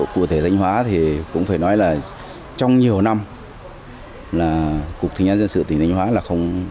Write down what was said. cụ thể thanh hóa thì cũng phải nói là trong nhiều năm là cục thi hành án dân sự tỉnh thanh hóa là không